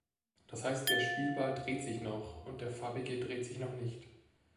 Das heißt, der Spielball dreht sich noch, und der Farbige dreht sich noch nicht.